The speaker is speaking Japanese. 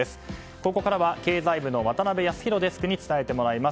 ここからは経済部の渡辺康弘デスクに伝えてもらいます。